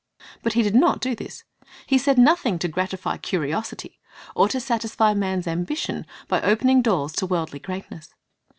But He did not do this. He said nothing to gratify curiosity, or to satisfy man's ambition by opening doors to worldly greatness.